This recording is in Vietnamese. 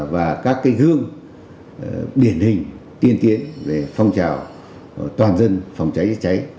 và các kênh hương điển hình tiên tiến về phong trào toàn dân phòng cháy cháy